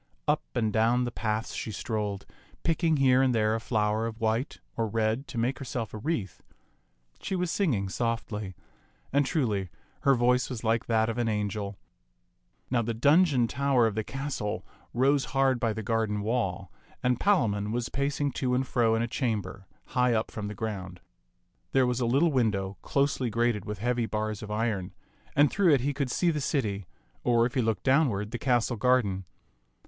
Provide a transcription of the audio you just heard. Up and down the paths she strolled, picking here and there a flower of white or red to make herself a wreath. She was singing softly; and, truly, her voice was like that of an angel. Now the dungeon tower of the castle rose hard by the garden wall, and Palamon was pacing to and fro in a chamber high up from the ground. There was a little window, closely grated with heavy bars of iron, and through it he could see the city, or, if he looked downward, the castle garden.